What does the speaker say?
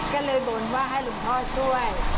ก็เลยบ่นว่าให้หลวงพ่อช่วย